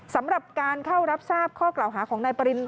สำหรับการเข้ารับทราบข้อกล่าวหาของนายปริณ